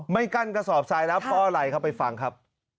กั้นกระสอบทรายแล้วเพราะอะไรครับไปฟังครับ